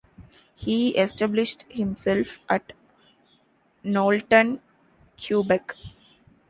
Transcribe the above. He established himself at Knowlton, Quebec.